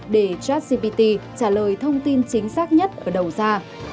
để jasgpt trả lời thông tin chính xác nhất ở đầu ra